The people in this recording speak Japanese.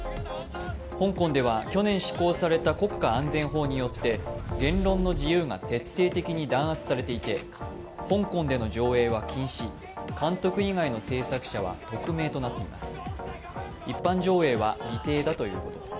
香港では去年施行された国家安全法によって言論の自由が徹底的に弾圧されていて香港での上映は禁止、監督以外の制作者は匿名となっています。